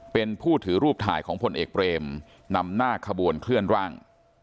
เป็นผู้ถือรูปถ่ายของพลเอกเบรมนำหน้าขบวนเคลื่อนร่าง